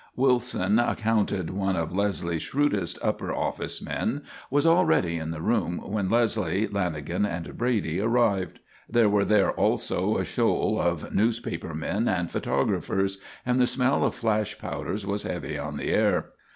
Wilson, accounted one of Leslie's shrewdest upper office men, was already in the room when Leslie, Lanagan, and Brady arrived. There were there also a shoal of newspaper men and photographers, and the smell of flash powders was heavy on the air.